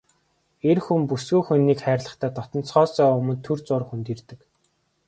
Эр хүн бүсгүй хүнийг хайрлахдаа дотносохоосоо өмнө түр зуур хөндийрдөг.